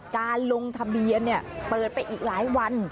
การลงทำเบียนเนี้ยเปิดไปอีกหลายวัน